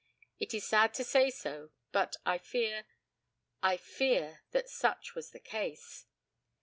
It is sad to say so, but I fear I fear that such was the case.